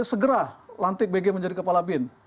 segera lantik bg menjadi kepala bin